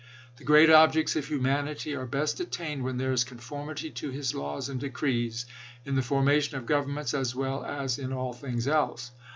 The great objects of humanity are best attained when there is conformity to his laws and decrees, in the formation of governments as well as in all things else.